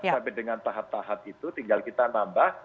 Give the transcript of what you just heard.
sampai dengan tahap tahap itu tinggal kita nambah